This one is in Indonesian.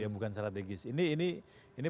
yang bukan strategis ini